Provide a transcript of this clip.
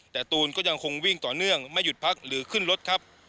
แต่ตูนก็ยังคงวิ่งต่อเนื่องไม่หยุดพักหรือขึ้นรถครับ